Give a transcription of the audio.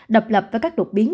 đập lập các đột biến